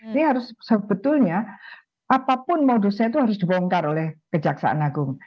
ini harus sebetulnya apapun modusnya itu harus dibongkar oleh kejaksaan agung